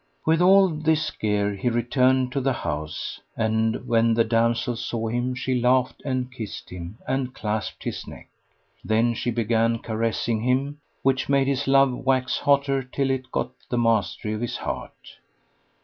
With all this gear he returned to the house; and when the damsel saw him she laughed and kissed him and clasped his neck. Then she began caressing him, which made his love wax hotter till it got the mastery of his heart.